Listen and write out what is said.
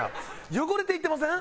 汚れていってません？